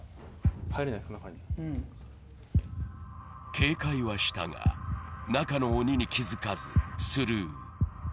警戒はしたが、中の鬼に気づかずスルー。